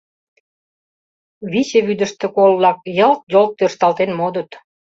Виче вӱдыштӧ кол-влак йылт-йолт тӧршталтен модыт.